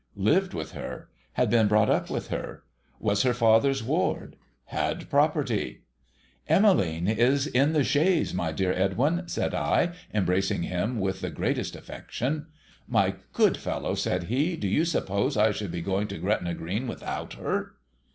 Lived with her. Had been brought up with her. Was her father's ward. Had property. i 114 THE HOLLY TREE ' Emmcline is in the chaise, my dear Edwin !' said I, embracing him with the greatest affection. ' My good fellow !' said he, ' do you suppose I should be going to Gretna Green without her?